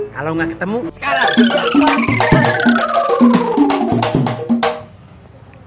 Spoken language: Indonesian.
kalo gak ketemu sekarang